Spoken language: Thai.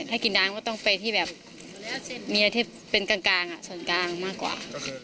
ถ้ากินน้ำก็ต้องไปที่มีชนกลางมีอย่างที่เป็นกลางมากกว่า